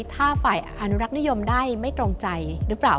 ถ้าฝ่ายอนุรักษ์นิยมได้ไม่ตรงใจหรือเปล่า